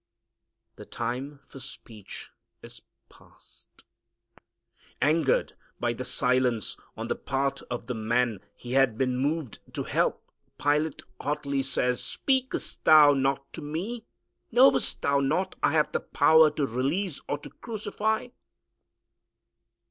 The time for speech is past. Angered by the silence on the part of the man he had been moved to help, Pilate hotly says, "Speakest Thou not to Me? Knowest Thou not I have the power to release or to crucify?"